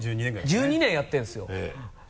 １２年やってるんですよ。